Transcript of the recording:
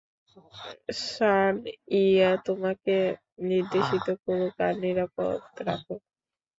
সান Yi তোমাকে নির্দেশিত করুক আর নিরাপদে রাখুক।